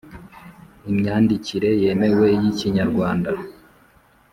Imyandikire yemewe yi Kinyarwanda